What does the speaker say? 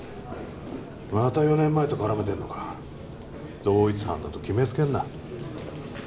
また４年前と絡めてんのか同一犯だと決めつけんな